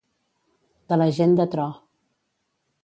De la gent de tro.